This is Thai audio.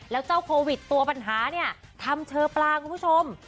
แล้วเจ้าโควิดตัวปัญหาเนี่ยทำเชอปลาคุณผู้ชม